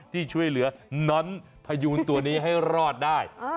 ที่ช่วยเหลือน้อนพยูนตัวนี้ให้รอดได้